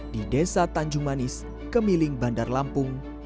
di desa tanjung manis kemiling bandar lampung